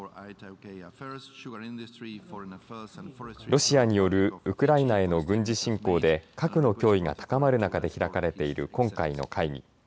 ロシアによるウクライナへの軍事侵攻で核の脅威が高まる中で開かれている今回の会議。